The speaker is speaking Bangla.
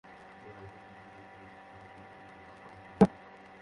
তবে বলেছেন, হিলারি ক্লিনটনের সঙ্গে তাঁর রাজনৈতিক অবস্থানের অনেক মিল রয়েছে।